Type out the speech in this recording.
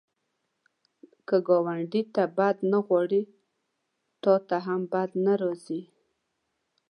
که ګاونډي ته بد نه غواړې، تا ته هم بد نه راځي